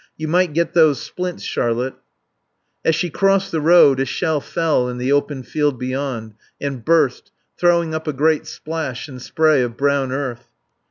"You might get those splints, Charlotte." As she crossed the road a shell fell in the open field beyond, and burst, throwing up a great splash and spray of brown earth.